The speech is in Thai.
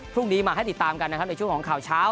พรุ่งนี้มาให้ติดตามกันในชุดของข่าวเท่า